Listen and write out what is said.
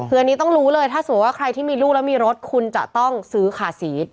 คืออันนี้ต้องรู้เลยถ้าสมมุติว่าใครที่มีลูกแล้วมีรถคุณจะต้องซื้อคาซีส